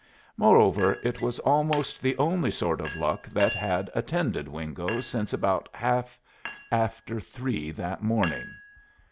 Moreover, it was almost the only sort of luck that had attended Wingo since about half after three that morning.